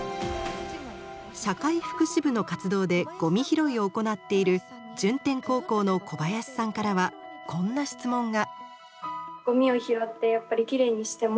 社会福祉部の活動でゴミ拾いを行っている順天高校の小林さんからはこんな質問が。